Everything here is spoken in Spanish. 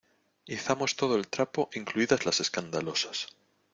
izamos todo el trapo, incluidas las escandalosas.